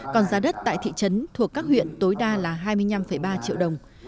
còn giá đất tại thị trấn thuộc các huyện tối đa là hai mươi năm ba triệu đồng